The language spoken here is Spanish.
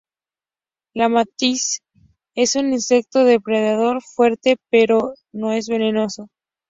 La mantis es un insecto depredador fuerte, pero no es venenoso.